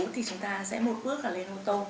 thì chúng ta sẽ một bước là lên ô tô